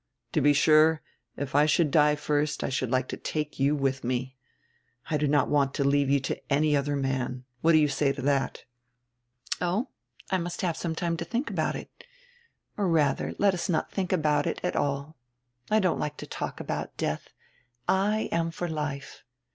To be sure, if I should die first, I should like to take you with me. I do not want to leave you to any other man. What do you say to that?" "Oh, I must have some time to think about it. Or, rather, let us not think about it at all. I don't like to talk about death; I am for life.